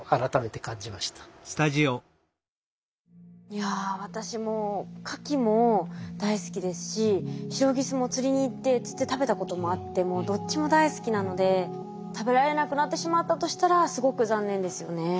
いやあ私もカキも大好きですしシロギスも釣りに行って釣って食べたこともあってもうどっちも大好きなので食べられなくなってしまったとしたらすごく残念ですよね。